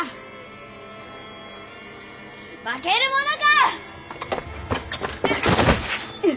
負けるものかッ！